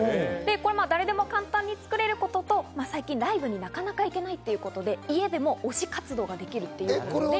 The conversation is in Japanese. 誰でも簡単に作れることと、最近ライブになかなか行けないということで、家でも推し活動ができる。